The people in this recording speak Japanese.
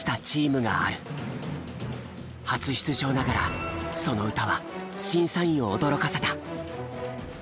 初出場ながらその歌は審査員を驚かせた。